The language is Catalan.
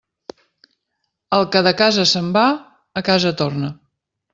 El que de casa se'n va, a casa torna.